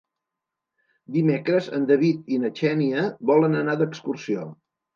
Dimecres en David i na Xènia volen anar d'excursió.